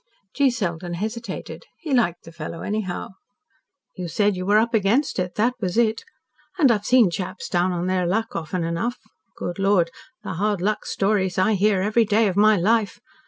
G. Selden hesitated. He liked the fellow anyhow. "You said you were up against it that was it. And and I've seen chaps down on their luck often enough. Good Lord, the hard luck stories I hear every day of my life.